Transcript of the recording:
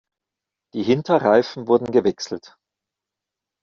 Die Hinterreifen wurden gewechselt.